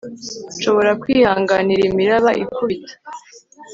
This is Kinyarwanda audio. nshobora kwihanganira imiraba ikubita